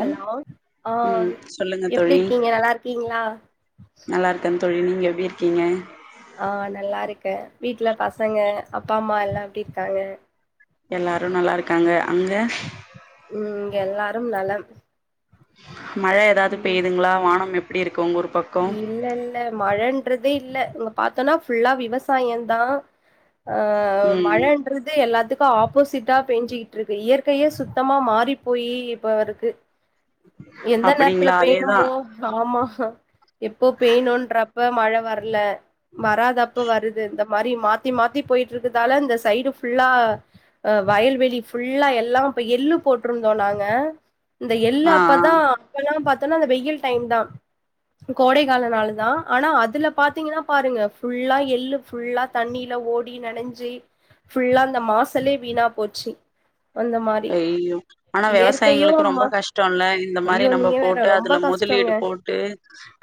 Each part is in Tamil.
ஹலோ ஆ ம் சொல்லுங்க எப்டி தோழி இருக்கீங்க நல்லா இருக்கிங்ளா க்கே தோழி நீங்க எப்டி இருக்கிங்க ஆ நல்லா இருக்கே வீட்ல பசங்க அப்பா அம்மா எல்லா எப்டி இருக்காங்க எல்லாரு நல்லா இருக்காங்க அங்க ம் இங்க எல்லாரும் நலம் மழை ஏதாது பெய்யுதுங்களா வானம் எப்டி இருக்கு ஒங்க ஊர் பக் இல்ல இல்ல மழன்றதே இல்ல இங்க பாத்தோனா ஃபுல்லா விவசாயதா ஆ ம் மழன்றது எல்லாத்துக் கு ஆப்போசிட்டா பேஞ்சுட்டுருக்கு இயற்கையே சுத்தமா மாறி போய் இப்பருக்கு எந்த நேரத்ல அப்டிங்களா அதேதா பேயனுமோ ஆமா எப்போ பெய்ணுன்றப்ப மழை வர்ல வராதப்ப வருது இந்த மாறி மாத்தி மாத்தி போயிட்டு இருக்குதால இந்த சைடு ஃபுல்லா ஆ வயல்வெளி ஃபுல்லா எல்லா இப்ப எள்ளு போட்டுருந்தோ நாங்க இந்த எள் ஆ அப்ப ஆ தா அப்பல்லா பாத்தோனா அந்த வெயில் டைம் தா கோடைக்கால நாளு தா ஆனா அதுல பாத்திங்ன்னா பாருங்க ஃபுல்லா எள்ளு ஃபுல்லா தண்ணில ஓடி நனஞ்சு ஃபுல்லா இந்த மாசலே வீணா போச்சு அந்த மாரி ஐயய்யோ ஆனா இயற்கையு வெவசாயிங்களுக்கு ரொம்ப அம்மா கஷ்டோல்ல இந்த மாறி ஐயோ நம்ப நீங்க வேற போட்டு ரொம்ப அதுல மொத் கஷ்டோங்க முதலீடு போட்டு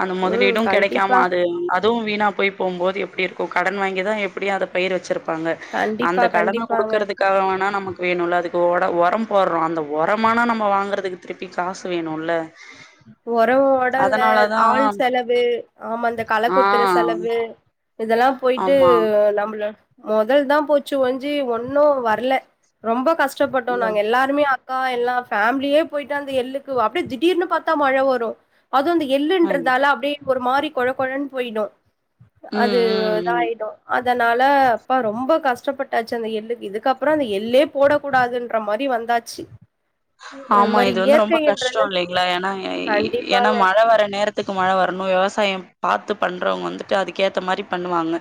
அந்த ம் மொதலீடு கண்டிப்பா கெடைக்காம அது அதுவு வீணா போய் போம்போது எப்டி இருக்கு கடன் வாங்கி தா எப்டி அத பயிர் வச்சிருப் பாங்க கண்டிப்பா அந்த கடன கண்டிப்பாங்க குடுக்கறதுக்காக வேணா நமக்கு வேணுல்ல அதுக்கு ஒட ஒரம் போற்றோ அந்த ஒரமானா நம்ப வாங்கறதுக்கு திருப்பி காசு வேணுல்ல ஒறவு ஒட இல்ல அதனாலதா ஆள் செலவு ஆமா அந்த கள ஆ குத்துற செலவு இதெல்லா போயிட்டு ஆமா நம்பளே மொதல் தா போச்சு ஓஞ்சி ஒன்னு வரல ரொம்ப கஷ்டப்பட்டோ இந்த நாங்க எல்லாருமே அக்கா எல்லா ஃபேமிலியே போயிட்டு அந்த எள்ளுக்கு அப்டியே திடீர்னு பாத் தா மழை வரு அது அந்த மாரி எள்ளுன்றதால அப்டியே ஒரு மாறி கொழ கொழன்னு போயிடு ம் அது ம் ம் இதாயிடு அதனால அப்பா ரொம்ப கஷ்டப்பட் டாச்சு அந்த எள்ளுக்கு இதுக்கப்றோ அந்த எள்ளே போடக் கூடாதுன்ற மாறி வந்தாச்சு அது ஆமா மாரி இது வந்து ரொம்ப இயற்கைன்றது கஷ்ட இல்லைங்ளா ஏனா ஏனா கண்டிப்பாங்க மழை வர நேரத் துக்கு மழ வரணு வெவசாயோ பாத்து பண்றவங்க வந்துட்டு அதுக்கேத்த மாறி பண்ணுவாங்க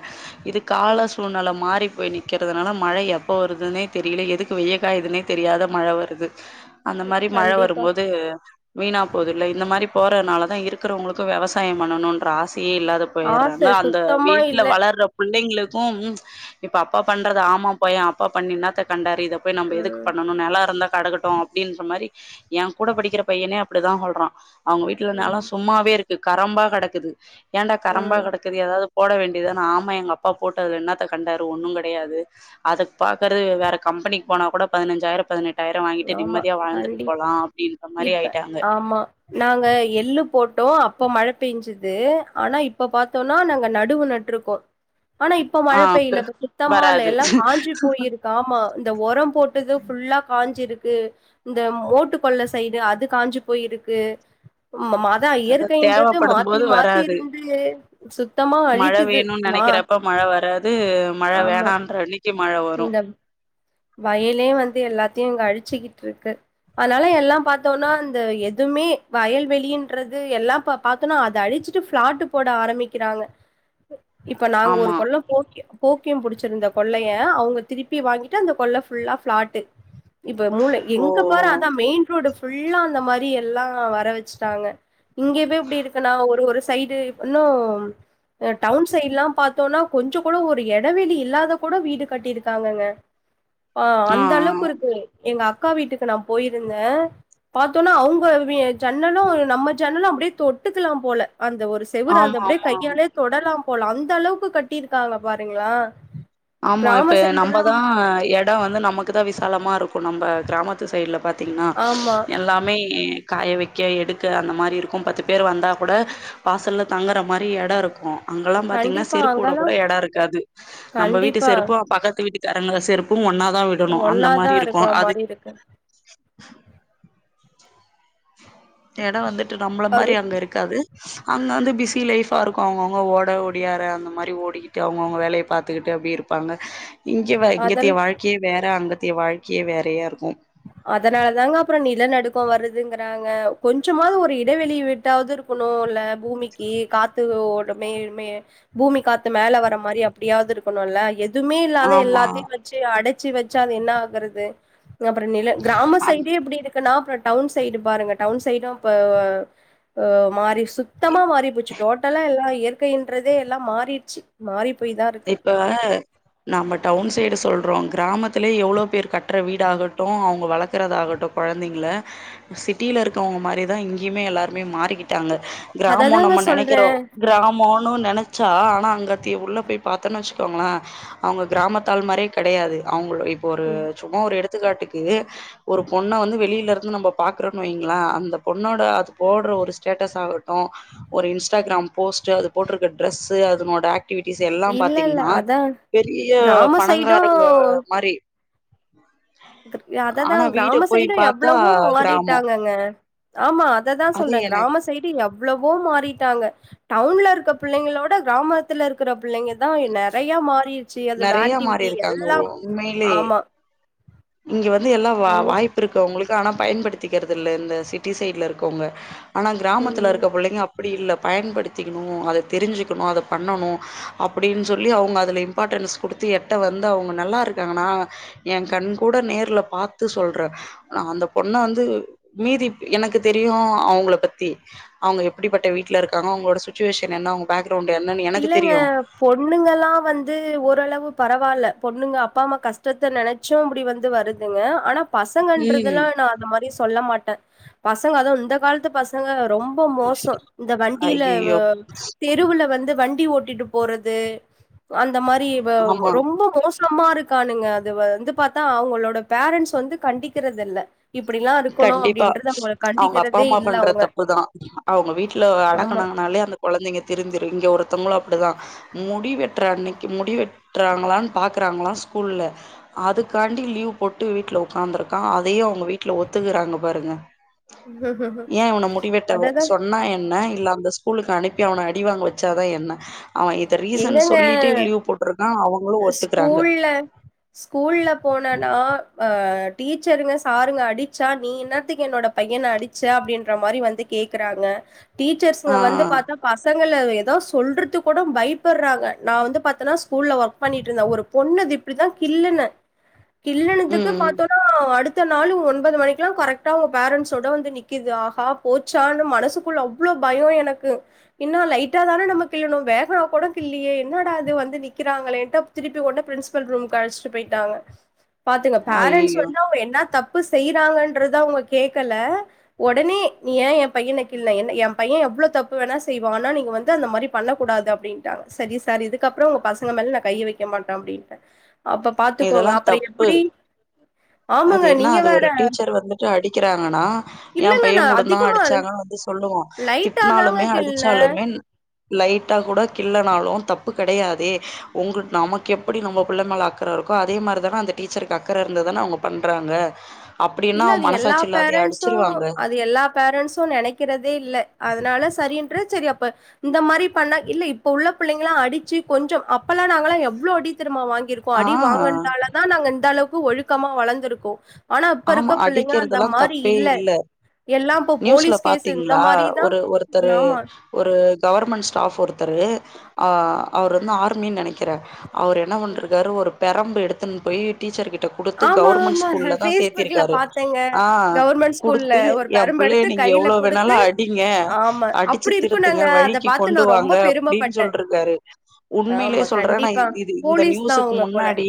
இது ம் கால சூழ்நில மாறி போய் நிக் க்கிறதுனால மழை எப்ப வருதுனே தெரில எதுக்கு வெய்யகாதுன்னே தெரியாத மழ வருது அந்த மாறி மழ கண்டிப்பா வரும்போது வீணா போதுல்ல இந்த மாறி போறதுனால தா இருக்கிறவங்களுக்கு வெவசாயோ பண்ணணு ன்ற ஆசயே இல்லாத ஆச போயிறுறாங்க அந்த சுத்தமா வீட்ல இல்ல வளர்ற புள்ளைங்களுக்கு இப்ப அப்பா பண்றது ஆமா போயே அப்பா பண்ணி இன்னாத்த கண்டாரு இத போய் நம்ப எதுக்கு ம் பண்ணணு நெலோ இருந்தா கெடகட்டு அப்டின்ற மாறி ஏ கூட படிக்கிற பையனே அப்டி தா சொல்றா அவுங்க வீட்டுல்லா நெல ம் சும்மாவே இருக்கு கரம்பா கெடக்குது ஏண்டா கரம்பா ம் கெடக் குது ஏதாவது போட வேண்டியது தானே ஆமா எங்க அப்பா போட்டதுல என்னத்த கண்டாரு ஒன்னு கெடையாது அதுக் பாக்கறக் வேற கம்பெனிக்கு போனா கூட பதினஞ்சாயிரோ பதினெட்டாயிரோ வாங் கிட்டு ஆமா நிம்மதியா வாழ்ந்துட்டு கண்டி போலா அப்டின்ற மாரி இப்ப ஆயிட்டாங்க ஆமா நாங்க எள்ளு போட்டோ அப்போ மழ பேஞ்சது ஆனா இப்போ பாத்தோன்னா நாங்க நடுவு நட்ருக்கோ ஆனா இப்ப மழ ஆ ப பெய்ல இப்ப சுத்தமா இல்ல வராது எல்லா காஞ்சு போயிருக் கு ஆமா இந்த ஒரம் போட்டது ஃபுல்லா காஞ்சிருக்கு இந்த மோட்டு கொள்ள சைடு அது காஞ்சு போயிருக்கு ம மத் அதா அது இயற்கைன்றது தேவப்படும் மாத்தி போது மாத்தி வராது இருந்து சுத்தமா மழ அழிக்குது வேணுன் மா நெனைக்கிறப்ப மழ வராது மழ ஆமா வேணான்ன்ற அன்னிக்கு மழ வரு வயலயே வந்து எல்லாத்தையு இங்க அழிச்சுக்கிட்டு இருக்கு அனால எல்லா பாத்தோனா இந்த எதுவுமே வயல் வெளின்றது எல்லா இப்ப அப் பாத்தோனா அத அழிச்சுட்டு ஃப்ளாட்டு் போட ஆரமிக்கிறாங்க [inaudible] இப்ப நாங்க ஒரு ஆமா கொல்வ போக்கி போக்கியம் புடிச்சிருந்த கொல்லைய அவுங்க திருப்பி வாங்கி ட்டு அந்த கொல்ல ஃபுல்லா ஃப்ளாட்டு இப்ப மூல ஓ எங்க பாரு அதா மெயின் ரோடு ஃபுல்லா அந்த மாரி எல்லா வர வச்சுட்டாங்க இங்கவே இப்டி இருக்குன்னா ஒரு ஒரு சைடு இன்னு ஆ டவுன் சைடு்லா பாத்தோம்னா கொஞ்ச கூட ஒரு எடவெளி இல்லாத கூட வீடு கட்டிருக்காங்கங்க ஆ அந்தளவுக்கு இருக்கு எங்க அக்கா வீட்டுக்கு நா போயிருந்த பாத்தோன்னா அவங்க வீ ஜன்னலு இது நம்ம ஜன்னலு அப்டியே தொட்டுக்கலா போல அந்த ஒரு ஆ செவுரு ஆமா அந்தப்டியே ஆமா கையாலே தொடலாம் போல அந்தளவுக்கு கட்டிருக்காங்க பாருங்கள ஆமா இப்ப நம்பதா எடம் வந்து நமக்குதா விசாலமா இருக்கு நம்ப கிராமத்து சைடு்ல பாத் தீங்கன்னா ஆமா எல்லாமே காய வக்க எடுக்க அந்த மாரி இருக்கும் பத்து பேரு வந்தா கூட வாசல்ல தங்குற மாரி எட இருக்கு அங்கெல்லா பாத்தீங்கன்னா கண்டிப்பா செருப்பு வுட அங்கெல்லா கூட எடோ இருக்காது நம்ம வீட்டு கண்டிப்பா செருப்பு பக்கத்து வீட்டுக்காரங்க செருப் பும் ஒன்னா தா விடணு அந்த மாரி இருக்கு அது தெக்க எடோ வந்துட்டு நம்பள மாரி அது அங்க இருக்காது அங்க வந்து பிஸி லைஃபா இருக்கு அவங்கவுங்க ஓட ஓடியார அந்த மாரி ஓடிக்கிட்டு அவங்கவுங்க வேலைய பாத்துக்கிட்டு அப்டியே இரு ப்பாங்க இங்கவ அதெல்லா இங்கத்ய வாழ்க்கையே வேற அங்கத்யே வாழ்க்கையே வேறையா இருக்கு அதனால தாங்க அப்பற நிலநடுக்கம் வருதுங்கறாங்க கொஞ்சமாவது ஒரு இடைவெளி விட்டாவது இரு க்குணுல்ல பூமிக்கு காத்து ஓட்டமே மே பூமி காத்து மேல வர மாரி அப்டியாவது இருக்கணுல்ல எத் துமே இல்லாத ஆமா எல்லாத்தையு வச்சு அடைச்சு வச்சா அது என்ன ஆகறது அப்ற நில கிராம அ சைடே அப்டி இரு க்குனா அப்ற டவுன் சைடு பாருங்க டவுன் சைடும் இப்ப ஆ மாறி சு த்தமா மாறி போச்சு டோட்டலா எல்லா இயற்கைன்றதே எல்லா மாறிருச்சு மாறி போய்தா இரு இப்ப நம்ம டவுன் சைடு சொல்றோ கிராமத்துலயே எவ்வளோ பேர் கட்ற வீடாகட்டு அவுங்க வளக்குறதாகட்டு கொழந்திங்கள சிட்டியில இருக்கவங்க மாரிதா இங்கயுமே எல்லாருமே மாறிக்கிட்டாங்க கிராமோ அததாங்க நம்ம நெனக்கிறோ சொல்றேன். கிராமோன்னு நனைச்சா ஆனா அங்கத்திய உள்ள போய் பாத்தோன்னு வச்சுக்கோங்கள அவுங்க கிராமத்தாள் மாரே கடையாது அவுங்க இப்ப ஒரு சும்மா ஒரு எடுத்துக்காட்டுக்கு ஒரு பொண்ண வந்து வெளிலருந்து நம்ம பாக்குறோனு வைங்கள அந்த பொண்ணோட அது போடுற ஒரு ஸ்டேட்டஸ் ஆகட்டு ஒரு இன்ஸ்டாகிராம் போஸ்ட்டு அது போட்ருக்க டிரெஸ்ஸு அதுனோட ஆக்டிவிட்டீஸ் எல் இல்ல இல்ல பாத்திங்னா அதான் பெரிய கிராம பணங்காரங்க சைடும் மாரி அததா ஆனா வீட பொய் பாத்தா கிராமோ டங்க ஆமா அததா அது சொன்ன எனக்கு கிராம சைடு எவ்ளவோ மாறிட்டாங்க டவுன்ல இருக்க பிள்ளைங்களோட கிராமாத்துல இருக்குற பிள்ளைங்கதா நெறையா மாறீர்க் சீ அதோட நெறைய மாரி ஆக்டிவிட்டி இருக்காங்க எல்லாம் உண்மையிலே ஆமா இங்க வந்து எல்லா வா ம் வாய்ப்பிருக்கு அவங்களுக்கு ஆனா பயன்படுத்திக்கிறதில்ல இந்த சிட்டி சைட்ல இருக்கொவ்ங்க ஆனா கிராமத்துல ம் இருக்க புள்ளைங்க அப் அப்டி இல்ல பயன்படுத்திக்கணூ அத தெரிஞ்சிக்கணூ அத பண்ணணூ அப்டின் சொல்லி அவங் அதுல‌ இன் பாட்டன்ஸ் குடுத்து எட்ட வந்து அவங்க நல்லா இருக்காங்க நா ஏ கண் கூட நேர்ல பாத்து சொல்றெ அ அந்த பொண்ண வந்து மீதிப் எனக்கு தெரியூ அவங்ள பத்தி அவங்க எப்டிப்பட்ட வீட்ல இருக்காங்க அவங்ளோட சுச்சுவேஷன் என்ன அவங்க பேக்ரவுண்ட் என்னன்னு எனக்கு தெரியூ பொண்ணுங்கலா வந்து ஓரளவு பரவால்ல பொண்ணுங்க அப்பாமா கஷ்டத்த நென ச்சு அப்டி வந்து வருதுங்க ஆனா பசங்கன்றதுலா ம் நா அந்த மாரி சொல்ல மாட்ட பசங்க அது இந்த காலத்து பசங்க ரொம் ப மோசோ இந்த வண்டியில வ ஐயயோ தெருவுல வந்து வண்டி ஓட்டிட்டு போறது அந்த மாரி வவ் ஆமா ரொம்ப மோஸ் சமா இருக்கானுங்க அது வந்து பாத்தா அவங்களோட பேரண்ட்ஸ் வந்து கண்டிக்கிறதில்ல கண்டிப்பா அவங்க கண்டிக்கிறதே அப்பாம்மா இல்ல பண்ற அவங்க தப்புதா அவங்க வீட்லவ் ஆமா அடக்குனாங்கனாலே அந்த கொழந்தைங்க திருந்திரு இங்க ஒருத்தங்ளு அப்டிதா முடி வெட்ற அன்னைக்கி முடி வெட்றாங்ளான் பாக்குறாங்களா ஸ்கூல்ல அதுக்காண்டி லீவு போட்டு வீட்ல உக்காந்துருக்கா அதையு அவங்க வீட்ல ஒத்துக்குறாங்க பாருங்க ஏ அவன முடிவெட்ட அததா சொன்னா என்ன இல்ல அந்தஸ் கூலுக்கு அனுப்பி அவன அடிவாங்க வச்சாதா என்ன அவ இ ந்த ரீசன் எங்கங்க சொல்லிட்டு லீவு போட்ருக்கா அவங்களு ஒத்துக்றாங்க ஸ்கூல்ல ஸ்கூல்ல போனனா அஹ் டீச்சருங்க சாருங்க அடிச்சா நீ என்னாத்துக்கு என்னோட பையன அடி ச அப்டின்ற மாரி வந்து கேக்குறாங்க டீச்சர்ஸ்ங்க ஆ வந்து பாத்தா பசங்கள எதா சொல்றத்துக்கூட பயப் புட்றாங்க நா வந்து பாத்தனா ஸ்கூல்ல ஒர்க் பண்ணிட்ருந்த ஒரு பொண்ணுது இப்டிதா கில்லுன கில்லுனதுக்கு ம் பாத்தோன் னா அடுத்த நாளு ஒன்பது மணிக்லா கரெக்டா அவங்க பேரண்ட்ஸோட வந்து நிக்குது ஆஹா போச்சானு மனசுக்குள்ள அவ்ளோ பயொ எனக்கு இன்னா லைட்டா தான நம்ம கில்லுனோ வேகவா கூட இல்லையே என்னாடா இது வந்து நிக்கிறாங்களேன்டு அப் திருப்பி உடனே பிரின்சிபல் ரூம்க்கு அழச்ட்டு பொயிட்டாங்க பாத்துங்க பேரண்ட்ஸ் ஐயயோ வந்து அவங்க என்னா தப்பு செய்யறாங்கன்றது அவங்க கேக்கலே ஒடனே நீ ஏ ஏம்பையனெ கிள்ன என்ன ஏம்பையெ எவ்ளோ தப்பு வேணா செய்வா ஆனா நீங்க வந்து அந்த மாரி பண்ணக்கூடாது அப்டின்டாங்க சரி சார் இதுக்கப்றொ ஒங்க பசங்க மேல நா கையெ வைக்க மாட்டே அப்டின்டே அப்ப பாத்துக்கோங்க இதெல்லா அப்பற தப்பு எப்புடி அது என்னா அது ஒரு டீச்சர் வந்துட்டு அடிக்கிறாங்கனா ஏ இல்லங்க நான் பையெங்கூடதா அதிகமா அடிச்சாங்கன்னு வந்துஸ் சொல்லுவா லைட்டா தாங்க திட்னாலுமே கிள்னே. அடிச்சாலுமேன் லைட்டா கூட கிள்ளனாலூ தப்பு கெடையாதே உங்க நமக் எப்படி நம்ம பிள்ள மேல அக் கற இருக்கோ அதே மாரி தானே அந்த டீச்சருக்கு அக்கற இருந்துதானே அவங்க பண்றாங்க அப்டின்னா இல்ல அது எல்லா மனசாட்சி இல்லாதய பேரண்ட்ஸூ அடிச்சிருவாங்க அது எல்லா பேரண்ட்ஸூ நெனைக்கிறதே இல்ல அதனால சரின்ற சரி அப்ப இந்த மாரி பண்ணா இல்ல இப்ப உள்ள பிள்ளைங்களா அடிச்சி கொஞ்சும் அப்பெல்லா நாங்கலா எவ்ளோ அடி தெருமா வாங் இருக்கு ஆ அடி வாங்கினதால தா நாங்க இந்த அளவுக்கு ஒழுக்கமா வளர்ந்திருக்கோ ஆனா இப்ப ஆமா இருக்க பிள்ளைங்க அந்த அடிக்கிறதெல்லாம் மாரி தப்பே இல்ல எல்லாம் இப்போ நியூஸ்ல போலீஸ் கேஸ் இந்த பாத்தீங்களா மாரி தான் ஒரு ஒருத்தரு ஆமா. ஒரு கவர்மெண்ட் ஸ்டாப் ஒருத்தரு அவர் வந்து ஆர்மின்னு நினைக் க்கிற அவர் என்ன பண்ருக்காரு ஒரு பெரம்பு எடுத்துன்னு போயி டீச்சர்கிட்ட குடுத்து ஆமா, கவர்மண்ட் ஆமா. ஸ்கூல்ல தான் சேத் இருக்காரு பார்த்தேங்க. ஆ கவர்மெண்ட் ஸ்கூல்ல குடுத்து ஒரு எ பிள்ளைய பெரம்பெடுத்து நீங்க கையில எவ்வளவு வேணாலு குடுத்து அடிங்க ஆமா அடி வ அப்டி திருத்துங்க இருக்குனாங்க அத வழிக்கு பாத்து நா கொண்டு ரொம்ப வாங்க அப்டின்னு பெருமப்பட்டே சொல்ருக்காரு உண்மையிலே ஆமா சொல்றே நா கண்டிப்பா இந்த போலீஸ் தா நியூசுக்கு அவுங்க போல முன்னாடி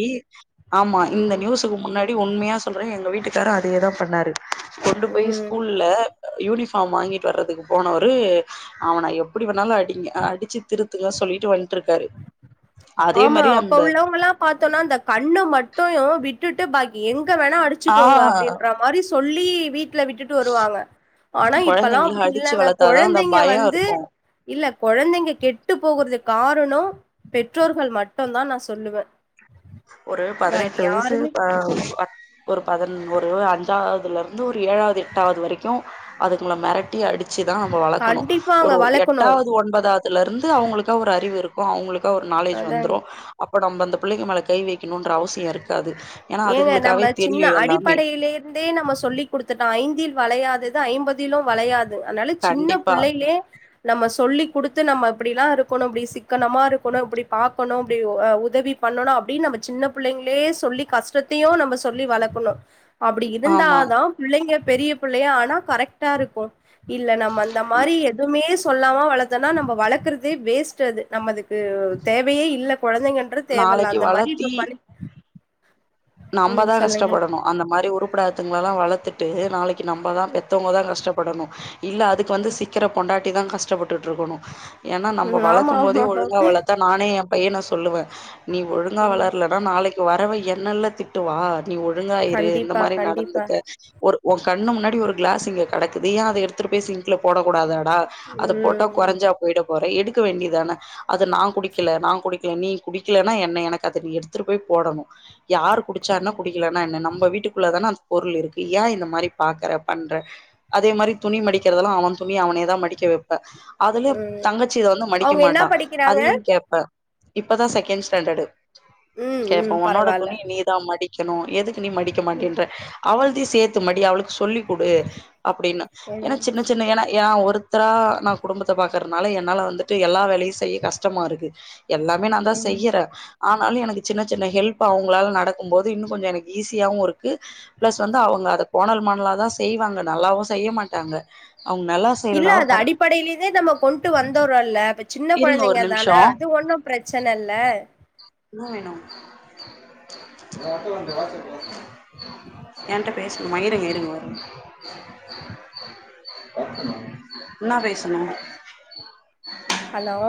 ஆமா இந்த ம் நியூஸ் க்கு முன்னாடி உண்மையா சொல்றே எங்க வீட்டுக்காரு அதேதா பண்ணாரு கொண்டு போய் ம் ஸ்கூல்ல யூனிஃபார்ம் வாங்கிட்டு வர்றதுக்கு போனவரு அவனா எப்டி வேணாலு அடிங்க அடிச்சு திருத்துங்கன்னு சொல்லிட்டு வண்ட்டு இருக்காரு ஆமா அப்ப உள்ளவங்கல்லா பார்த்தோம்னா இந்த கண்ணு மட்டும் விட்டுட்டு பாக்கி எங்க வேணா ஆ அடிச்சுக்கோங்க அப்டின்றாங்க மாரி சொல்லி வீட் டுல விட்டுட்டு வருவாங்க ஆனா இப்பல்லா கொழந்தைங்கள அப்டி அடிச்சு இல்லைங்க வளத்தாதா அந்த கொழந்தைங்க பயோ வந்து இருக்கு இல்ல கொழந்தைங்க கெட்டு போகறதுக் காரணம் பெற்றோர்கள் மட்டும்தா நா சொல்லுவே ஒரு பாக்கி பதினெட்டு வயசு யாருமே ப அ ஒரு பத ஒரு அஞ்சாவதுலருந்து ஒரு ஏழாவது எட்டாவது வரைக்கு அதுங்குள மிரட்டி அடி ச்சி தா நம்ம வளர்க்கணு கண்டிப்பாங்க ஒரு வளக்கணு எட்டாவது ஒன்பதாவதுல இருந்து அவங்களுக்கா ஒரு அறிவு இருக் அவங்களுக்கா ஒரு நாலேஜ் அதா வந்துரு அப்ப நம்ப அந்த பிள்ளைங்க மேல கை வைக்கணும்ன்ற அவசியோ இருக்காது ஏன்னா ஏங்க நம்ம அதுங்களுக்காவே தெரியு சின்ன எல்லாமே அடிப்படையிலே நம்ம சொல்லி் குடுத்துட்டோ ஐந்தில் வளையாதது ஐம்பதிலும் வளையாது அதனால சின்ன கண்டிப்பா புள்ளைலே நம்ம சொல்லி் குடுத்து நம்ம இப்டில்லா இருக்கணு இப்டி சிக்கனமா இருக்கணு இப்டி பாக்கணு இப்டி உதவி பண்ணனு அப்டின்னு நம்ம சின்ன பிள்ளங்களே சொல்லி கஷ்ட த்தையும் நம்ப சொல்லி வளக்கணு அப்டி இருந்தா ஆமா தா பிள்ளைங்க பெரிய பிள்ளையா ஆனா கரெக்டா இருக்கு இல்ல நம்ம அந்த மாரி எதுவுமே சொல்லாம வளத்தோனா நம்ம வளக்குறதே வேஸ்ட் அது நம்ம அதுக்கு தேவயே இல்ல கொழந்தைங்க தேவல்ல நாளைக்கு அந்த மாரி இப்ப வளத்தி பி நம்பதா சொல்லுங்க கஷ்டப்படணு அந்த மாரி உருப்படாதுங்லலா வளத்து ட்டு நாளைக்கு நம்மதா பெத்தவங்கதா கஷ்டப்படணு இல்ல அதுக்கு வந்து சீக்கிர பொண்டாட்டி தா கஷ்டப்பட்டுட்டு இருக்கணு ஏன்னா நம்ம ம் ஆமா வளக்கும் ஆமா போதே ஒழுங்கா வளத்தா நானே என் பையன சொல்லுவே நீ ஒழுங்கா ம் வளரலனா நாளைக்கு வரவ என்னல்ல திட்டுவா நீ ஒழுங்கா இரு இந்த கண்டிப்பா மாரி கண்டிப்பா நடந்துக்க ஒரு உன் கண்ணு முன்னாடி ஒரு கிளாஸ் இங்க கிடக்குது ஏ அத எடுத்துட்டு போய் சிங்க்ல போடக் கூடாதாடா அத போட்டா ம் கொறஞ்சா போயிட போற எடுக்க வேண்டியதான அத நா குடிக்கல நா குடிக்கல நீ குடிக்கலனா என்ன எனக்கு அத நீ எடுத்துட்டு போய் போடணு யாரு குடுச்சான்னா குடிக்கலனா என்ன நம்ம வீட்டுக்குள்ள தான அந்த பொருள் இருக்கு ஏ இந்த மாரி பாக்குற பண்ற அதே மாரி துணி மடிக்கிறதெலாம் அவன் துணிய அவனேதா மடிக்க வெப்ப அதுல ம் தங்கச்சி இத வந்து மடிக்க அவங்க என்ன மாட்டா படிக்கிறாங்க அதயு கேப்பே இப்பதா செகண்ட் ஸ்டாண்டர்டு ம் கேப்போ ம் உன்னோட பரவால்ல துணி நீ மடிக்கணு எதுக்கு நீ மடிக்க ம் மாட்டேன்ற அவள்தையு சேர்த்து மடி அவளுக்கு சொல்லி குடு அப்டின்னு ஏன்னா ம் சின்ன சின்ன ஏன்னா ஏ ஒருத்தரா நா குடும்பத்த பாக்குறதுனால என்னால வந்துட்டு எல்லா வேலயும் செய்ய கஷ்டமா இருக்கு எல்லாமே நா தா ம் செய்யுறே ஆனாலும் எனக்கு சின்ன சின்ன ஹெல்ப் அவங்களால நட க்கும் போது இன்னு கொஞ்ச எனக்கு ஈஸியாவு இருக்கு பிளஸ் வந்து அவுங்க அத கோனல் மாணலாதா செய்வாங்க நல்லாவு செய்ய மாட்டாங்க அவங்க நல்லா இல்ல செய்யலனாலு அது பர அடிப்படையிலயந்தே நம்ம கொண்டு வந்தோறல்ல அப்ப சின்ன இருங்க ஒரு கொழந்தைங்க நிமிஷோ தான அது ஒண்ணும் பிரச்சன இல்ல என்ன வேணு உங்ககிட்ட ரெண்டு வார்த்த பேசணு ஏன்ட்ட பேசணுமா இருங்க இருங்க ஒரு நிமிசம் என்னா பேசணு ஹலோ